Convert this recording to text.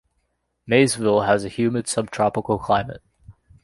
Maysville has a humid subtropical climate.